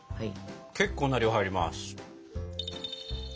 結構な量入ります。